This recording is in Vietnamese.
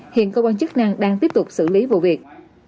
hiện cơ quan chức năng đang tiếp tục xử lý vụ việc